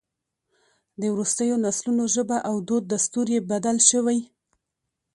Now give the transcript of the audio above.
د وروستیو نسلونو ژبه او دود دستور یې بدل شوی.